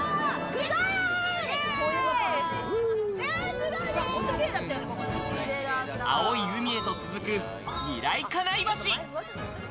すごい！青い海へと続く、ニライカナイ橋。